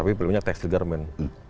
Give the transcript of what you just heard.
tapi paling banyak tekstil garmen